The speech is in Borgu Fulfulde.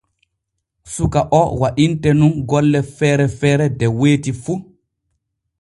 Suka o waɗinte nun golle feere feere de weeti fu.